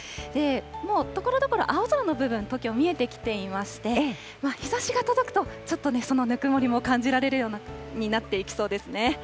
もうところどころ、青空の部分、東京、見えてきていまして、日ざしが届くと、ちょっとね、そのぬくもりも感じられるようになっていきそうですね。